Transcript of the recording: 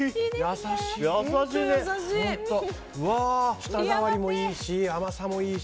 舌触りもいいし、甘さもいいし。